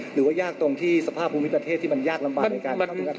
หรือว่ายากตรงที่สภาพภูมิประเทศที่มันยากลำบากในการเข้าถึงการ